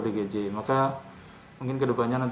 mengganggu ketidupan masyarakat